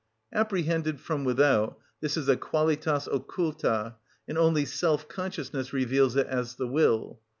Apprehended from without this is a Qualitas occulta, and only self consciousness reveals it as the will.